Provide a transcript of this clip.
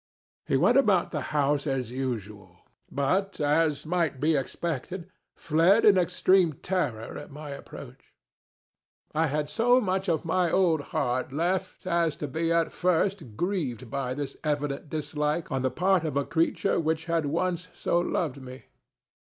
He went about the house as usual, but, as might be expected, fled in extreme terror at my approach. I had so much of my old heart left, as to be at first grieved by this evident dislike on the part of a creature which had once so loved me.